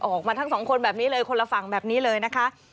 ออกมาทั้งสองคนแบบนี้เลยคนละฝั่งแบบนี้เลยนะคะ